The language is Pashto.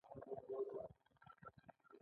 دوی ګیوم ته د ملنډو په سترګه کتل.